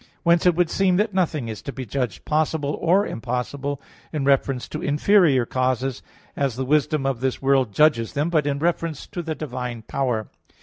Whence it would seem that nothing is to be judged possible or impossible in reference to inferior causes, as the wisdom of this world judges them; but in reference to the divine power.